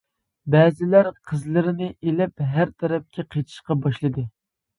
بەزىلەر قىزلىرىنى ئېلىپ ھەر تەرەپكە قېچىشقا باشلىدى.